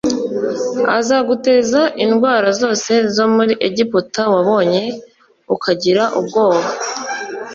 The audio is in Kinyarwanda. azaguteza indwara zose zo muri egiputa wabonye ukagira ubwoba,